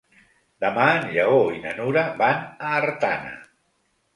Demà en Lleó i na Nura van a Artana.